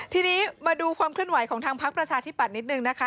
ทีนี้มาดูความเคลื่อนไหวของทางพักประชาธิบัตย์นิดนึงนะคะ